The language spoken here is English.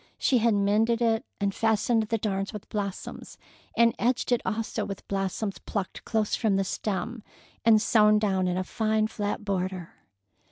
She had mended it, and fastened the darns with blossoms, and edged it also with blossoms plucked close from the stem and sewed down in a fine flat border.